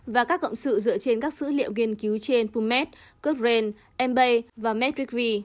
và các cộng sự dựa trên các sữ liệu nghiên cứu trên pumat cochrane embay và metricv